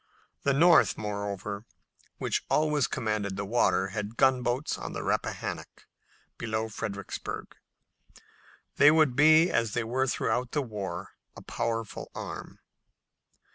The North, moreover, which always commanded the water, had gunboats in the Rappahannock below Fredericksburg, and they would be, as they were throughout the war, a powerful arm.